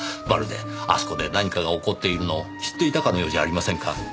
まるであそこで何かが起こっているのを知っていたかのようじゃありませんか。